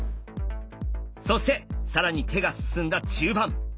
そして更に手が進んだ中盤。